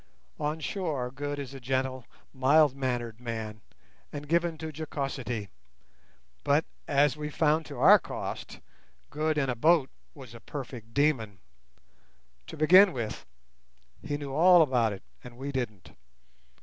On shore Good is a gentle, mild mannered man, and given to jocosity; but, as we found to our cost, Good in a boat was a perfect demon. To begin with, he knew all about it, and we didn't.